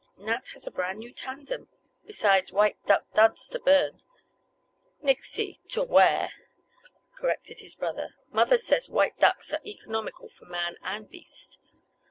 Nat has a brand new tandem, besides white duck duds to burn—" "Nixy! To wear," corrected his brother. "Mother says white ducks are economical for man—and beast."